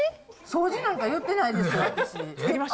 掃除なんか言ってないですよ、私。